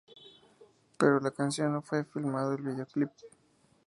Pero la canción no fue filmado el video clip.